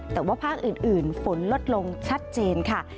แต่ว่าภาคอื่นฝนลดลงชัดเจนค่ะ